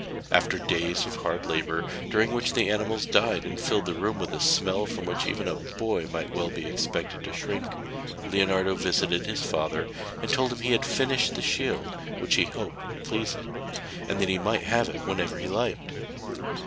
After days of hard labour, during which the animals died and filled the room with a smell from which even a boy might well be expected to shrink, Leonardo visited his father and told him he had finished the shield which he hoped would please him, and that he might have it whenever he liked.